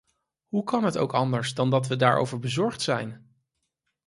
Hoe kan het ook anders dan dat we daarover bezorgd zijn?